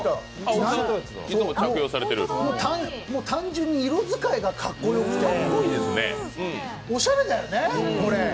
単純に色使いがかっこよくて、おしゃれだよね、これ。